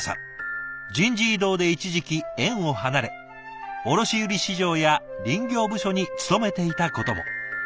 人事異動で一時期園を離れ卸売市場や林業部署に勤めていたことも。